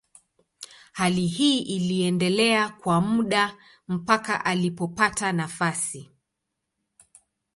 Hali hii iliendelea kwa muda mpaka alipopata nafasi.